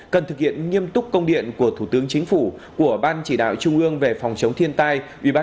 cần thực hiện nghiêm túc công điện của thủ tướng chính phủ của ban chỉ đạo trung ương về phòng chống thiên tai